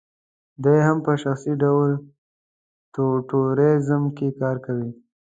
دی هم په شخصي ډول ټوریزم کې کار کوي.